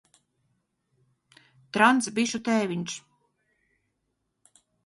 Trans - bišu tēviņš.